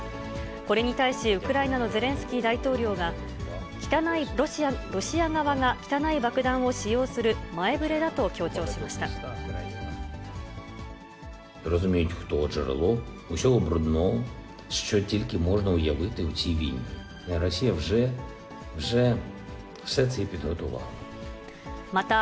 これに対し、ウクライナのゼレンスキー大統領が、ロシア側が汚い爆弾を使用する前触れだと強調しました。